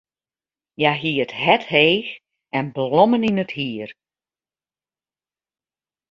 Hja hie it hert heech en blommen yn it hier.